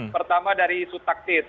pertama dari isu taktis